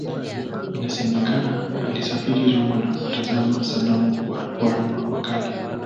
Inasemekana alisafiri Roma na kutazama sanamu za Waroma wa Kale.